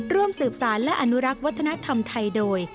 ร่วมสืบสารและอนุรักษ์วัฒนธรรมไทยโดย